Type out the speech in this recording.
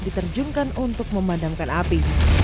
diterjungkan untuk memadamkan api